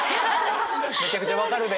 めちゃくちゃ分かるで。